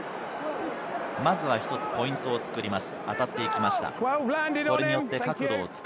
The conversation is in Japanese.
まずは一つ、ポイントを作ります。